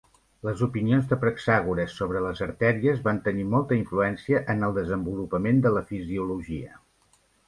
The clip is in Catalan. Les opinions de Praxagoras sobre les artèries van tenir molta influència en el desenvolupament de la fisiologia.